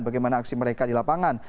bagaimana aksi mereka di lapangan